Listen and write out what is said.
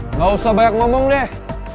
nggak usah banyak ngomong deh